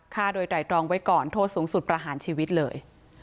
ฆ่าโดยไตรรองไว้ก่อนโทษสูงสุดประหารชีวิตเลย